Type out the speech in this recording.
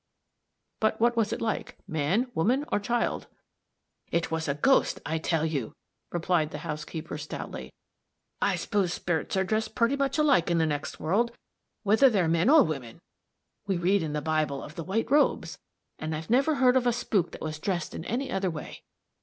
"But what was it like man, woman, or child?" "It was like a ghost, I tell you," replied the housekeeper, stoutly. "I s'pose sperits are dressed purty much alike in the next world, whether they're men or women. We read in the Bible of the white robes and I've never heard of a spook that was dressed in any other way.